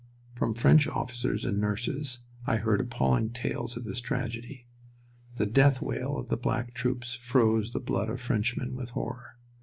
From French officers and nurses I heard appalling tales of this tragedy. The death wail of the black troops froze the blood of Frenchmen with horror.